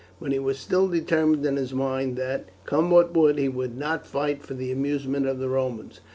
But he was still determined in his mind that, come what would, he would not fight for the amusement of the Romans.